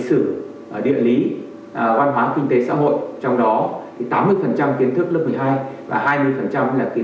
hãy đăng ký kênh để ủng hộ kênh của mình nhé